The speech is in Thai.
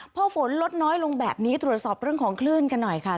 พอฝนลดน้อยลงแบบนี้ตรวจสอบเรื่องของคลื่นกันหน่อยค่ะ